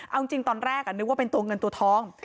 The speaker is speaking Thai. เอาจริงตอนแรกนึกว่าเป็นตัวเงินตัวทอง